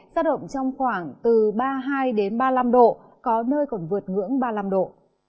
giao động trong khoảng từ ba mươi hai ba mươi năm độ có nơi còn vượt ngưỡng ba mươi năm độ